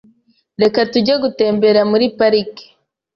Reka tujye gutembera muri parike .